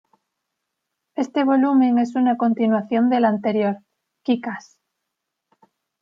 Este volumen es una continuación del anterior, Kick Ass.